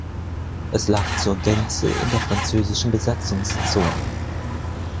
Es lag zur Gänze in der Französischen Besatzungszone.